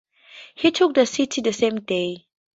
He took the city the same day.